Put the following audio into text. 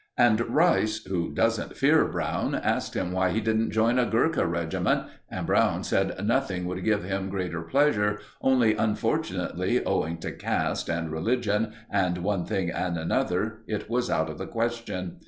And Rice, who doesn't fear Brown, asked him why he didn't join a Ghurka regiment; and Brown said nothing would have given him greater pleasure, only, unfortunately, owing to caste, and religion, and one thing and another, it was out of the question.